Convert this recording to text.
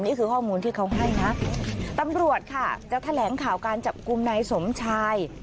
นี่คือข้อมูลที่เขาให้นะตำรวจค่ะจะแถลงข่าวการจับกลุ่มนายสมชาย